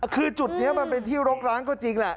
คือจุดนี้มันเป็นที่รกร้างก็จริงแหละ